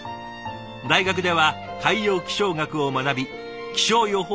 大学では海洋気象学を学び気象予報士の資格を取得。